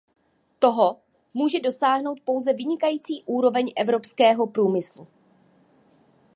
Toho může dosáhnout pouze vynikající úroveň evropského průmyslu.